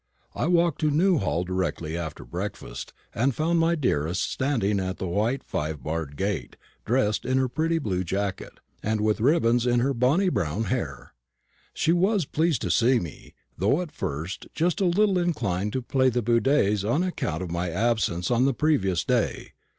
I walked to Newhall directly after breakfast, and found my dearest standing at the white five barred gate, dressed in her pretty blue jacket, and with ribbons in her bonny brown hair. She was pleased to see me, though at first just a little inclined to play the boudeuse on account of my absence on the previous day.